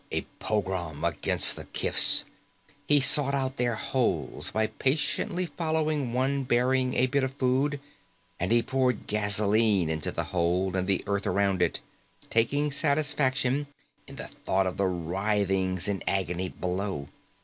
A pogrom against the kifs. He sought out their holes by patiently following one bearing a bit of food, and he poured gasoline into the hole and the earth around it, taking satisfaction in the thought of the writhings in agony below.